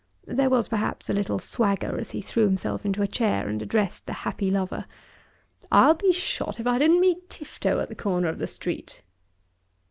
There was perhaps a little swagger as he threw himself into a chair and addressed the happy lover. "I'll be shot if I didn't meet Tifto at the corner of the street."